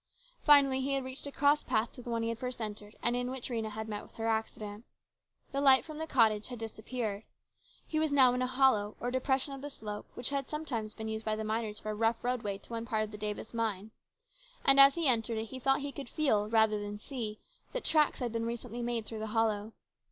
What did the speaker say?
Finally he had reached a cross path to the one he had first entered, and in which Rhena had met with her accident. The light from the cottage had disappeared. He was now in a hollow or depression of the slope which had sometimes been used by the miners for a rough roadway to one part of the Davis mine, and as he entered it he thought that he could feel rather than see that tracks had recently been made through the hollow.